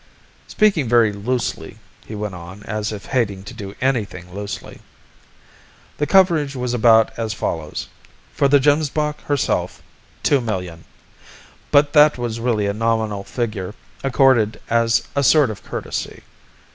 "Speaking very loosely," he went on, as if hating to do anything loosely, "the coverage was about as follows: for the Gemsbok herself, two million; but that was really a nominal figure accorded as a sort of courtesy.